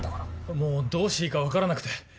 もうどうしていいか分からなくて。